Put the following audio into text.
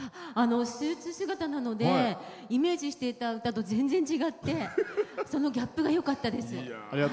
スーツ姿なのでイメージしている歌と全然、違ってそのギャップがよかったです。